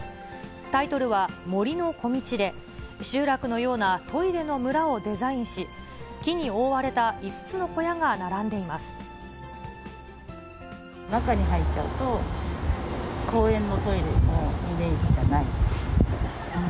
タイトルは森のコミチで、集落のようなトイレの村をデザインし、木に覆われた５つの小屋が中に入っちゃうと、公園のトイレのイメージじゃない。